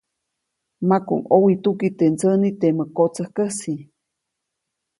Makuʼuŋ ʼowituki teʼ ndsäniʼ temä kotsäjkäsi.